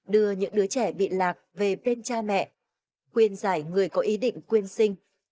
đưa những đứa trẻ bị lạc về bên cha mẹ khuyên giải người có ý định quyên sinh